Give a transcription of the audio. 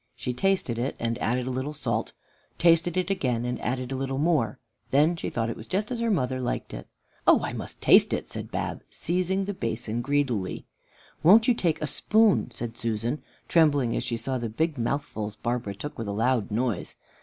She tasted it and added a little salt; tasted it again, and added a little more. Then she thought it was just as her mother liked it. "Oh, I must taste it!" said Bab, seizing the basin greedily. "Won't you take a spoon?" said Susan, trembling as she saw the big mouthfuls Barbara took with a loud noise.